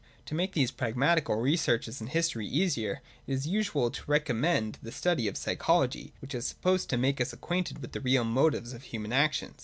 To make these prag matical researches in history easier, it is usual to recom mend the study of psychology, which is supposed to make us acquainted with the real motives of human actions.